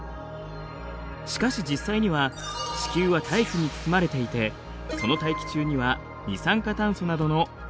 しかし実際には地球は大気に包まれていてその大気中には二酸化炭素などの温室効果ガスがあります。